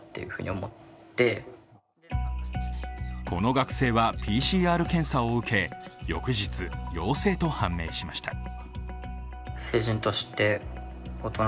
この学生はＰＣＲ検査を受け、翌日、陽性と判明しました。